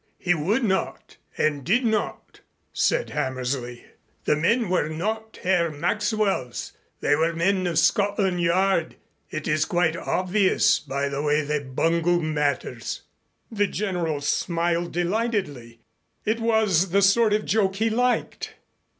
He would not and did not," said Hammersley. "The men were not Herr Maxwell's. They were men of Scotland Yard. It is quite obvious by the way they bungled matters." The General smiled delightedly. It was the sort of joke he liked.